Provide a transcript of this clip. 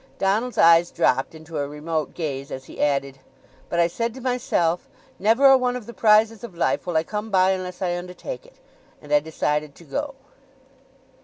Donald's eyes dropped into a remote gaze as he added: "But I said to myself, 'Never a one of the prizes of life will I come by unless I undertake it!' and I decided to go."